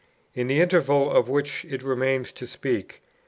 In the interval, of which it remains to speak, viz.